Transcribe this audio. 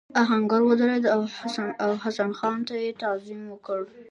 آهنګر ودرېد او حسن خان ته یې تعظیم وکړ.